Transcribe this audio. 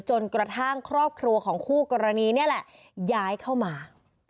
จนกระทั่งครอบครัวของคู่กรณีนี่แหละย้ายเข้ามา